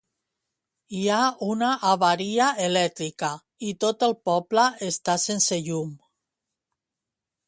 Hi ha una avaria elèctrica i tot el poble està sense llum